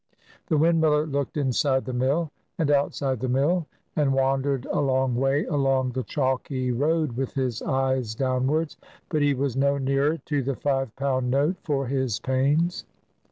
The windmiller looked inside the mill and outside the mill, and wandered a long way along the chalky road with his eyes downwards, but he was no nearer to the five pound note for his pains.